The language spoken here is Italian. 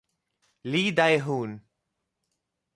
Lee Dae-hoon